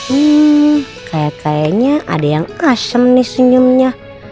hmm kayak kayaknya ada yang asem nih senyumnya